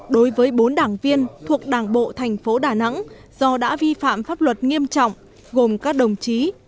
đối với bốn đảng viên thuộc đảng bộ thành phố đà nẵng do đã vi phạm pháp luật nghiêm trọng gồm các đồng chí